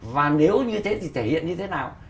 và nếu như thế thì thể hiện như thế nào